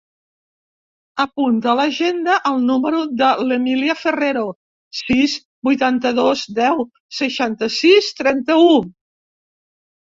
Apunta a l'agenda el número de l'Emília Ferrero: sis, vuitanta-dos, deu, seixanta-sis, trenta-u.